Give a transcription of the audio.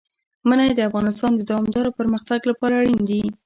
منی د افغانستان د دوامداره پرمختګ لپاره اړین دي.